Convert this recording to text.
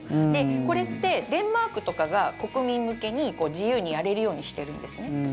これってデンマークとかが国民向けに自由にやれるようにしているんですね。